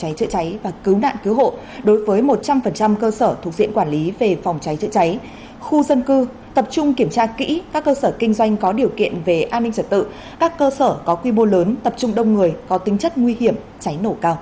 tại tỉnh bình định các cơ sở kinh doanh có điều kiện về an ninh trật tự các cơ sở có quy mô lớn tập trung đông người có tính chất nguy hiểm cháy nổ cao